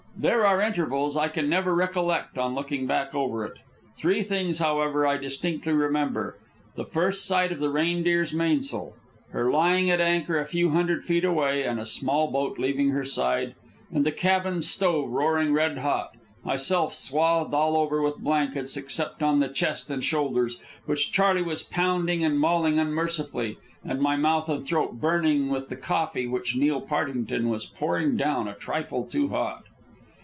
There are intervals I can never recollect on looking back over it. Three things, however, I distinctly remember: the first sight of the Reindeer's mainsail; her lying at anchor a few hundred feet away and a small boat leaving her side; and the cabin stove roaring red hot, myself swathed all over with blankets, except on the chest and shoulders, which Charley was pounding and mauling unmercifully, and my mouth and throat burning with the coffee which Neil Partington was pouring down a trifle too hot.